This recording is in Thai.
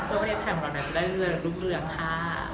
ตัวประเทศแข่งของเราหน่อยจะได้เรื่องรุ่นเรื่องค่ะ